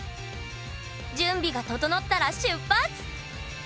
準備が整ったら出発！